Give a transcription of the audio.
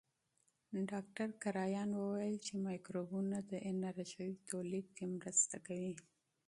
ډاکټر کرایان وویل چې مایکروبونه د انرژۍ تولید کې مرسته کوي.